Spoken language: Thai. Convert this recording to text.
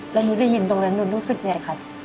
แล้วนุษย์ได้ยินตรงนั้นนุษย์รู้สึกยังไงค่ะ